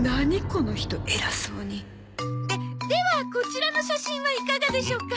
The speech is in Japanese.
この人偉そうにでではこちらの写真はいかがでしょうか？